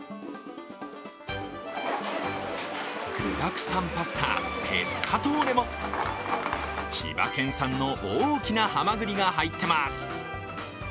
具だくさんパスタ、ペスカトーレも千葉県産の大きなはまぐりが入ってます。